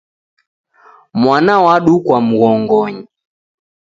Mwana wadukwa mghongonyi